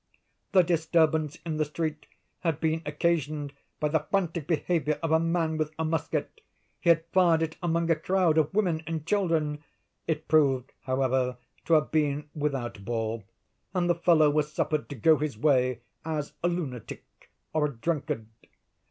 "The disturbance in the street had been occasioned by the frantic behavior of a man with a musket. He had fired it among a crowd of women and children. It proved, however, to have been without ball, and the fellow was suffered to go his way as a lunatic or a drunkard.